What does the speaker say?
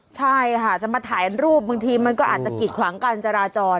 ใช่ค่ะจะมาถ่ายรูปบางทีมันก็อาจจะกิดขวางการจราจร